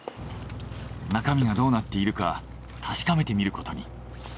中身がどうなっているか確かめてみることに。